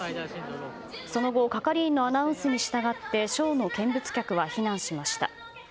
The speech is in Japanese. その後、係員のアナウンスに従ってショーの見物客は避難しました。